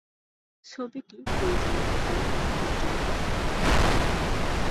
ছবিটি পরিচালনা করেন অঞ্জন দত্ত।